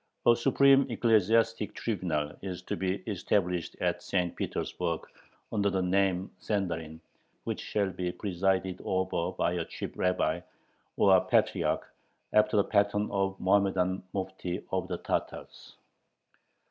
A supreme ecclesiastic tribunal is to be established at St. Petersburg, under the name "Sendarin," which shall be presided over by a chief rabbi, or "patriarch," after the pattern of the Mohammedan mufti of the Tatars.